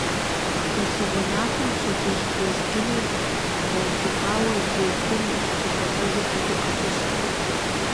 Дэсыгъуэ махуэм пщэдджыжь уэзджынэр бгъуэнкӏыфӏауэ жей куум ущыхилъафэжыр сыту ӏэфӏыщэ.